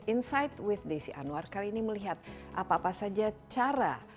insight with desi anwar kali ini melihat apa apa saja cara